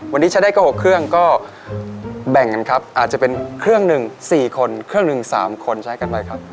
วันนี้ใช้ได้ก็๖เครื่องก็แบ่งกันครับอาจจะเป็นเครื่องหนึ่ง๔คนเครื่องหนึ่ง๓คนใช้กันไปครับ